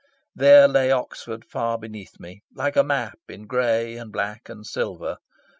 There lay Oxford far beneath me, like a map in grey and black and silver.